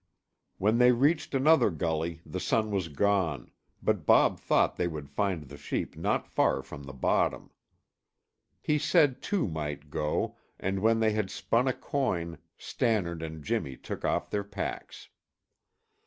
When they reached another gully the sun was gone, but Bob thought they would find the sheep not far from the bottom. He said two might go, and when they had spun a coin Stannard and Jimmy took off their packs.